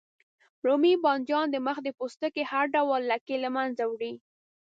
رومي بانجان د مخ د پوستکي هر ډول لکې له منځه وړي.